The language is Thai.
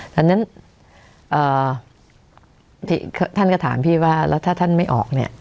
ดังนั้นท่านก็ถามพี่ว่าแล้วถ้าท่านไม่ออกเนี่ย